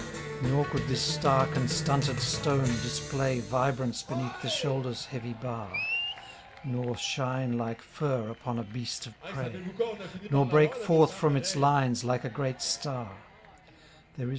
Nor could this stark and stunted stone display Vibrance beneath the shoulders heavy bar. Nor shine like fur upon a beast of prey. Nor break forth from its lines like a great star — if,,, I ..